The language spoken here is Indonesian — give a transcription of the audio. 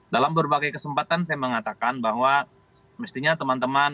dalam berbagai kesempatan saya mengatakan bahwa mestinya teman teman